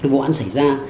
vụ án xảy ra